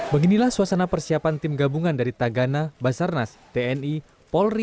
beginilah suasana persiapan tim gabungan dari tagana basarnas tni polri